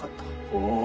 ・おお！